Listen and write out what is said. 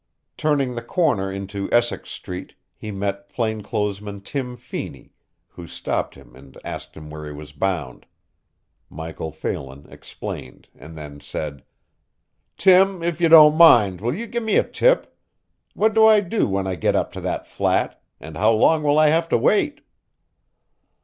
Turning the corner into Essex street, he met plain clothes man Tim Feeney, who stopped him and asked him where he was bound. Michael Phelan explained and then said: "Tim, if you don't mind, will you give me a tip? What do I do when I get up to that flat, and how long will I have to wait?"